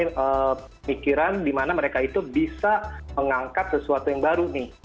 ini pikiran di mana mereka itu bisa mengangkat sesuatu yang baru nih